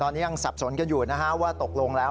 ตอนนี้ยังสับสนกันอยู่นะฮะว่าตกลงแล้ว